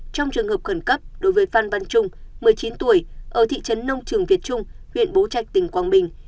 trong trường hợp khẩn cấp đối với phan văn trung một mươi chín tuổi ở thị trấn nông trường việt trung huyện bố trạch tỉnh quảng bình